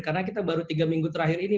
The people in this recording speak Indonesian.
karena kita baru tiga minggu terakhir ini